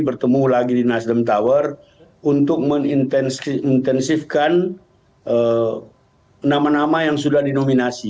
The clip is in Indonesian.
bertemu lagi di nasdem tower untuk mengintensifkan nama nama yang sudah dinominasi